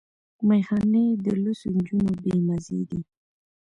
ميخانې د لوڅو جونو بې مزې دي